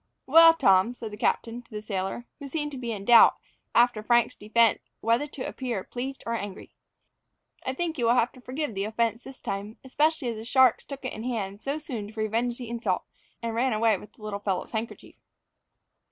"Well, Tom," said the captain to the sailor, who seemed to be in doubt after Frank's defence whether to appear pleased or angry, "I think you will have to forgive the offence this time, especially as the sharks took it in hand so soon to revenge the insult, and ran away with the little fellow's handkerchief."